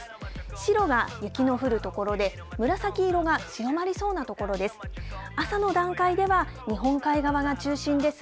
白が雪の降る所で、紫色が強まりそうな所です。